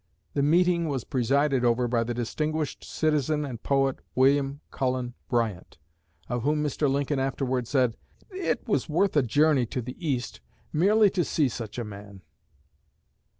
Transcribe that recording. The meeting was presided over by the distinguished citizen and poet William Cullen Bryant, of whom Mr. Lincoln afterward said, "It was worth a journey to the East merely to see such a man."